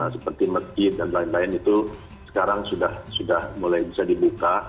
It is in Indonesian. seperti masjid dan lain lain itu sekarang sudah mulai bisa dibuka